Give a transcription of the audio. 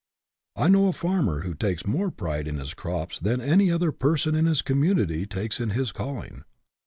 I know a farmer who takes more pride in his crops than any other person in his community takes in his calling.